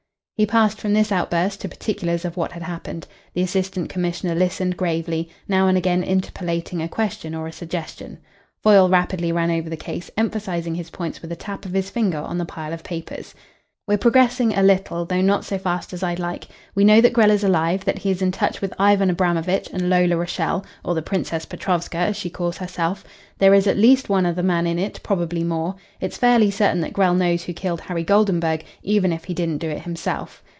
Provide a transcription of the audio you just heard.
He passed from this outburst to particulars of what had happened. The Assistant Commissioner listened gravely, now and again interpolating a question or a suggestion. Foyle rapidly ran over the case, emphasising his points with a tap of his finger on the pile of papers. "We're progressing a little, though not so fast as I'd like. We know that Grell is alive, that he is in touch with Ivan Abramovitch and Lola Rachael or the Princess Petrovska, as she calls herself. There is at least one other man in it probably more. It's fairly certain that Grell knows who killed Harry Goldenburg even if he didn't do it himself.